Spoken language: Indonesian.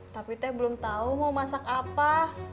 tapi teh belum tahu mau masak apa